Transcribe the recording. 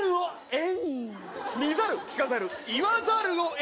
え？